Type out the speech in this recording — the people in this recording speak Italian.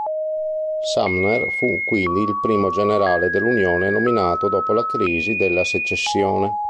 Sumner fu quindi il primo generale dell'Unione nominato dopo la crisi della secessione.